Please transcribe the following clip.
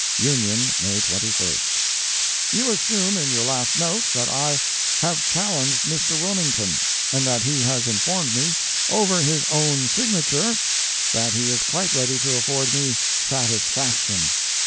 "—Union, May 21 You assume in your last note, that I "have challenged Mr. Wilmington," and that he has informed me "over his own signature," that he is quite ready to afford me "satisfaction."